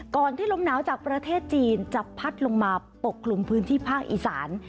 ที่ลมหนาวจากประเทศจีนจะพัดลงมาปกคลุมพื้นที่ภาคอีสาน